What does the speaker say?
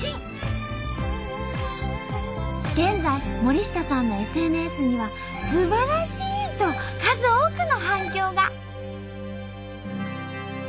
現在森下さんのＳＮＳには「すばらしい！」と数多くの反響が！